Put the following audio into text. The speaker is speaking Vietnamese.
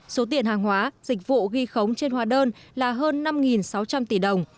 số tiền hàng hóa dịch vụ ghi khống trên hóa đơn là hơn năm sáu trăm linh tỷ đồng